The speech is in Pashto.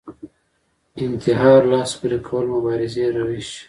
انتحار لاس پورې کول مبارزې روش